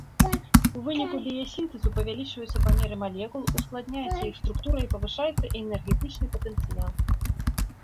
У выніку біясінтэзу павялічваюцца памеры малекул, ускладняецца іх структура і павышаецца энергетычны патэнцыял.